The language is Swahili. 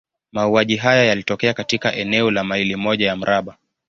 Mauaji haya yalitokea katika eneo la maili moja ya mraba.